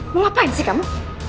mau ngapain sih kamu